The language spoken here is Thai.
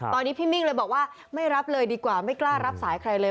ตอนนี้พี่มิ่งเลยบอกว่าไม่รับเลยดีกว่าไม่กล้ารับสายใครเลย